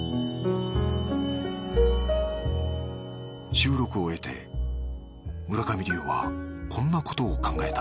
収録を終えて村上龍はこんなことを考えた